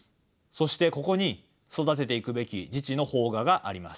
そしてここに育てていくべき自治の萌芽があります。